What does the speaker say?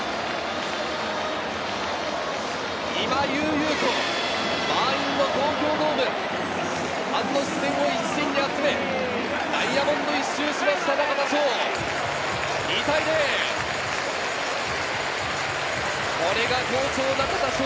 今、悠々と満員の東京ドーム、ファンの視線を一身に集め、ダイヤモンドを１周しました、中田翔。